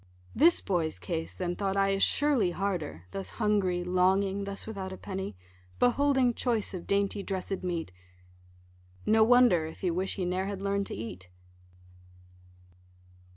This boy's case, then thought I, is surely harder, Thus hungry, longing, thus without a penny, Beholding choice of dainty dressed meat: No wonder if he wish he ne'er had learn'd to eat.